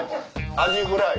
アジフライ。